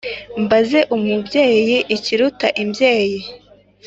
mbaze umubyeyi ikiruta imbyeyi